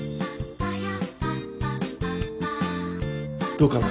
どうかな？